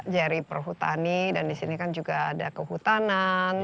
jerry perhutani dan di sini kan juga ada kehutanan